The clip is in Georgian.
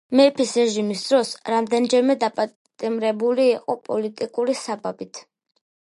მეფის რეჟიმის დროს რამდენჯერმე დაპატიმრებული იყო პოლიტიკური საბაბით.